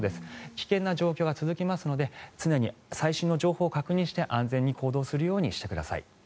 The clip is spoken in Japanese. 危険な状況が続きますので常に最新の情報を確認して安全に行動するようにしてください。